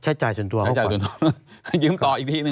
ใช้จ่ายส่วนตัวยืมต่ออีกทีหนึ่ง